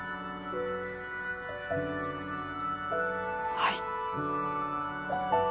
はい。